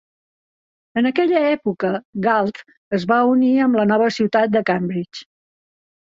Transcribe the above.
En aquella època, Galt es va unir amb la nova ciutat de Cambridge.